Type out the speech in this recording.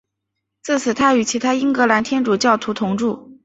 自此他与其他英格兰天主教徒同住。